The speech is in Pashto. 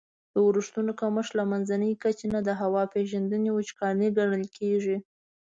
د اورښتونو کمښت له منځني کچي نه د هوا پیژندني وچکالي ګڼل کیږي.